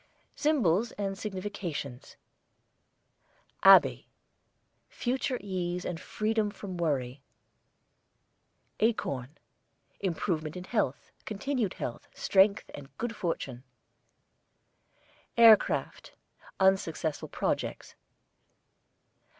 SYMBOLS AND SIGNIFICATIONS ABBEY, future ease and freedom from worry. ACORN, improvement in health, continued health, strength, and good fortune. AIRCRAFT, unsuccessful projects.